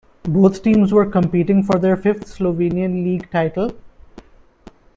Both teams were competing for their fifth Slovenian League title.